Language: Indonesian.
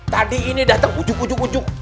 tadi ini datang ujuk ujuk ujuk